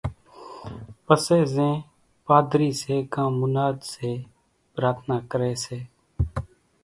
پسي زين پاڌري سي ڪان مناد سي پرارٿنا ڪري